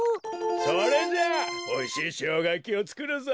それじゃあおいしいショウガやきをつくるぞ！